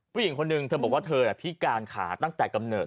ผู้หญิงคนหนึ่งเธอบอกว่าเธอพิการขาตั้งแต่กำเนิด